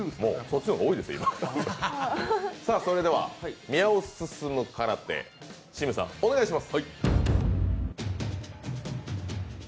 それでは宮尾すすむ空手、清水さん、お願いします。